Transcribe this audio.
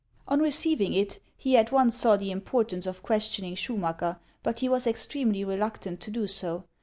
On receiving it, he at once saw the importance of questioning Schumacker ; but lie was extremely reluctant to do so.